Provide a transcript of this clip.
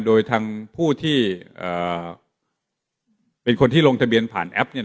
โดยทางผู้ที่เป็นคนที่ลงทะเบียนผ่านแอปเนี่ย